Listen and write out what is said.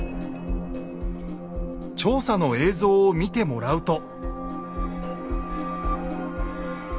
調査の映像を見てもらうと。